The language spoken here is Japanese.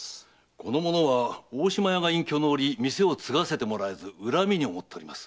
この者は大島屋が隠居のおり店を継がせてもらえず恨みに思っております。